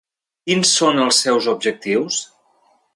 Quins són els seus objectius?